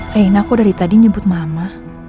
rena aku dari tadi nyebut mama